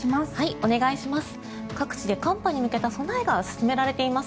お願いします。